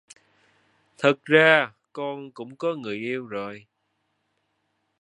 Thật ra con cũng có người yêu rồi